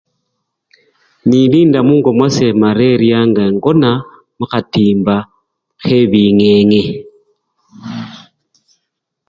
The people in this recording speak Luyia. Nilinda mungo mwase maleriya nga engona mukhatimba khebingenge.